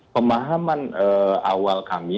penaman awal kami